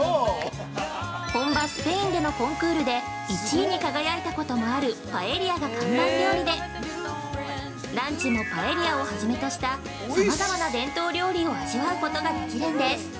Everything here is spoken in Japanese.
本場スペインでのコンクールで、１位に輝いたこともあるパエリアが看板料理で、ランチもパエリアをはじめとした、さまざまな伝統料理を味わうことができるんです。